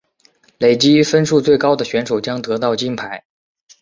累积分数最高的选手将得到金牌。